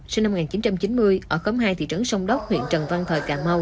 sinh năm một nghìn chín trăm chín mươi ở cống hai thị trấn sông đốc huyện trần văn thời cà mau